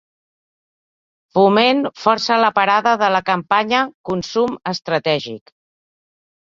Foment força la parada de la campanya Consum Estratègic